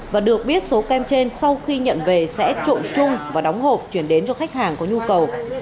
và được biết số kem trên sau khi nhận về sẽ trộn chung và đóng hộp chuyển đến cho khách hàng có nhu cầu